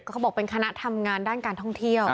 เขาบอกเป็นคณะทำงานด้านการท่องเที่ยว